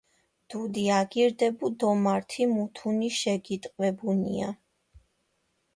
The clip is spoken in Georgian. დუდი აგირდებუ დო მართი მუთუნი შეგიტყვებუნია.